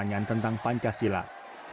jawa tenggul delapan peninggal